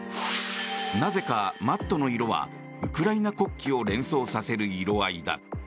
なぜかマットの色はウクライナ国旗を連想させる色合いだ。